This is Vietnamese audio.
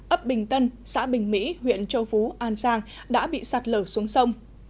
ấp bình tân xã bình mỹ huyện châu phú an giang đã bị sạt lở xuống sông